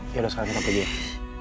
yaudah sekarang kita pergi ya